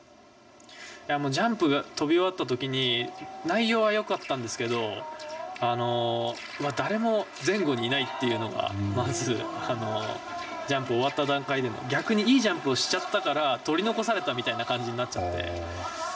ジャンプをとび終わったときに内容は、よかったんですけど誰も前後にいないというのがまず、ジャンプ終わった段階で逆に、いいジャンプをしちゃったから取り残されたみたいな感じになっちゃって。